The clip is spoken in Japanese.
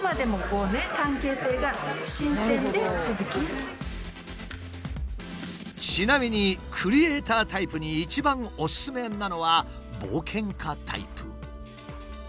さらにちなみにクリエイタータイプに一番おすすめなのは冒険家タイプ。